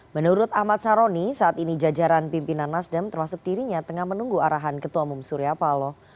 menurut ahmad saroni saat ini jajaran pimpinan nasdem termasuk dirinya tengah menunggu arahan ketua umum surya paloh